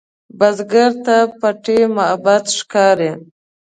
بزګر ته پټي معبد ښکاري